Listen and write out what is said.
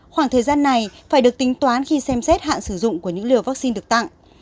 khoảng thời gian này phải được tính toán khi xem xét hạn sử dụng của những liều vaccine được tặng